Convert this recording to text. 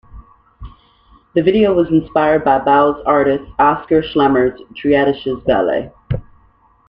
The video was inspired by Bauhaus artist Oskar Schlemmer's Triadisches Ballett.